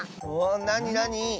なになに？